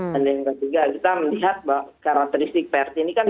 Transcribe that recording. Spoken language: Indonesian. dan yang ketiga kita melihat karakteristik prt ini kan